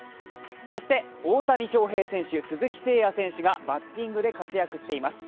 そして大谷翔平選手、鈴木誠也選手がバッティングで活躍しています。